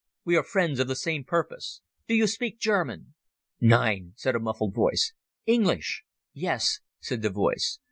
We are friends of the same purpose. Do you speak German?" "Nein," said a muffled voice. "English?" "Yes," said the voice.